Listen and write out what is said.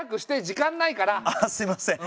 時間ないから。ああすみません